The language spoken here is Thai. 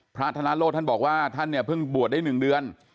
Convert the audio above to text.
พระธนโรศท่านบอกว่าท่านเนี้ยเพิ่งบวชได้หนึ่งเดือน